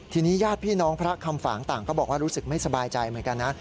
ทีนี้ญาติพี่น้องพระคำฝางต่างก็บอกว่ารู้สึกไม่สบายใจเหมือนกันนะ